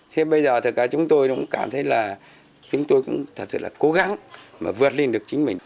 thế bây giờ thực ra chúng tôi cũng cảm thấy là chúng tôi cũng thật sự là cố gắng mà vượt lên được chính mình